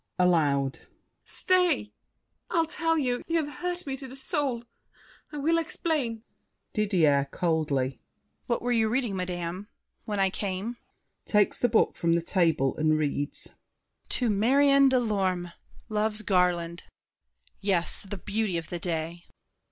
[Aloud.] Stay! I'll tell you. You have hurt me to the soul. I will explain— DIDIER (coldly). What were you reading, madame, When I came? [Takes the book from the table and reads. "To Marion de Lorme. Love's Garland!" Yes, the beauty of the day!